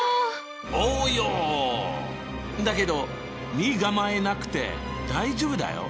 だけど身構えなくて大丈夫だよ。